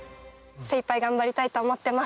精一杯頑張りたいと思ってます。